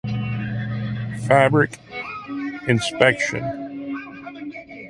Fabric inspection